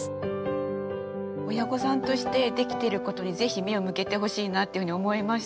親御さんとしてできてることにぜひ目を向けてほしいなっていうふうに思いました。